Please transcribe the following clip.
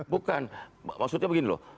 bukan maksudnya begini loh